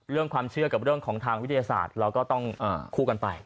เรื่องความเชื่อกับเรื่องของทางวิทยาศาสตร์เราก็ต้องคู่กันไป